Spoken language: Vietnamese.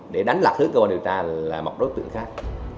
để đánh lạc hước các bọn điều tra là mọc đối tượng khác